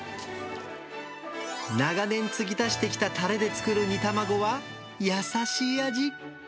長年つぎ足したたれで作る煮玉子は、優しい味。